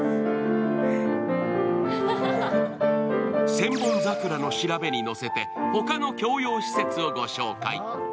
「千本桜」のしらべにのせて、他の共用施設をご紹介。